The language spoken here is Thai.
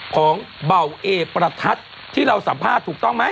ของเบาเอประทัดที่เราสัมภาษณ์ถูกต้องไหม